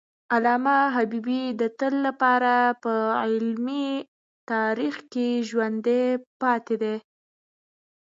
علامه حبیبي د تل لپاره په علمي تاریخ کې ژوندی پاتي دی.